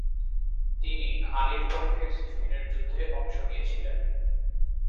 তিনি আলীর পক্ষে সিফফিনের যুদ্ধে অংশ নিয়েছিলেন।